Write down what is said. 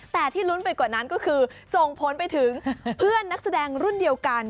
แต่ที่ลุ้นไปกว่านั้นก็คือส่งผลไปถึงเพื่อนนักแสดงรุ่นเดียวกัน